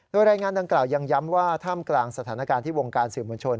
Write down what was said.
โดยรายงานดังกล่าวยังย้ำว่าท่ามกลางสถานการณ์ที่วงการสื่อมวลชน